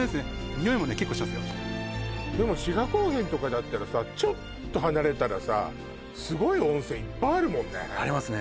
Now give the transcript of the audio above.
においもね結構しますよでも志賀高原とかだったらさちょっと離れたらさすごい温泉いっぱいあるもんねありますね